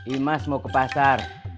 imas mau ke pasar